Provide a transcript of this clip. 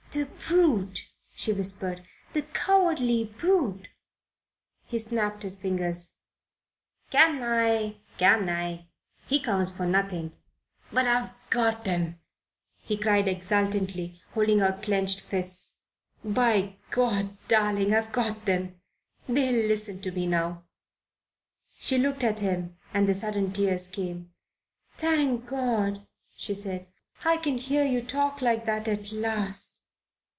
"The brute!" she whispered. "The cowardly brute!" He snapped his fingers. "Canaille, canaille! He counts for nothing. But I've got them!" he cried exultingly, holding out clenched fists. "By God, darling, I've got them! They'll listen to me now!" She looked at him and the sudden tears came. "Thank God," she said, "I can hear you talk like that at last."